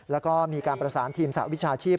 แล้วก็มีการประสานทีมสหวิชาชีพ